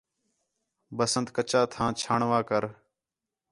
بسنت کچا تھاں جھاݨوا کر